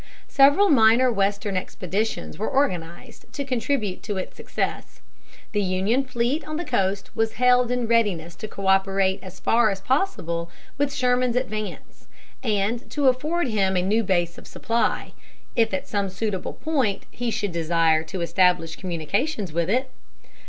Several minor western expeditions were organized to contribute to its success. The Union fleet on the coast was held in readiness to coöperate as far as possible with Sherman's advance, and to afford him a new base of supply, if, at some suitable point he should desire to establish communications with it.